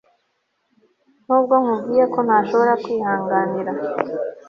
nubwo nkubwiye ko ntashobora kwihanganira